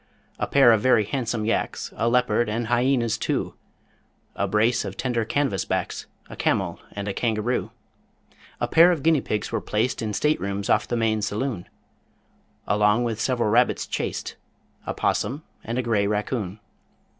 A pair of very handsome yaks A leopard and hyenas two; A brace of tender canvas backs, A camel and a kangaroo. A pair of guinea pigs were placed In state rooms off the main saloon, Along with several rabbits chaste, A 'possum and a gray raccoon.